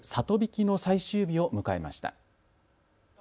曳きの最終日を迎えました。